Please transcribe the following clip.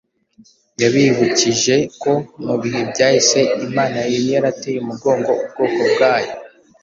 yabibukije ko mu bihe byahise Imana yari yarateye umugongo ubwoko bwayo